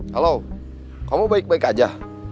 halo kamu baik baik aja